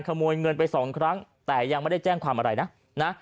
ขโมยเงินไปสองครั้งแต่ยังไม่ได้แจ้งความอะไรนะนะ